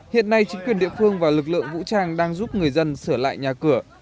hiện nay chính quyền địa phương và lực lượng vũ trang đang giúp người dân sửa lại nhà cửa